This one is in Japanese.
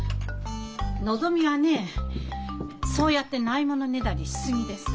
のぞみはねえそうやってないものねだりしすぎです。